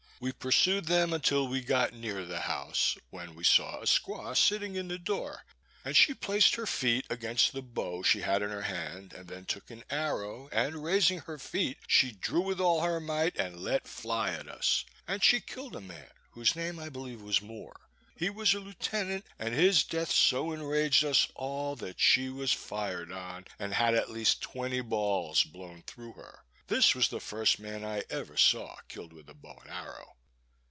We pursued them until we got near the house, when we saw a squaw sitting in the door, and she placed her feet against the bow she had in her hand, and then took an arrow, and, raising her feet, she drew with all her might, and let fly at us, and she killed a man, whose name, I believe, was Moore. He was a lieutenant, and his death so enraged us all, that she was fired on, and had at least twenty balls blown through her. This was the first man I ever saw killed with a bow and arrow.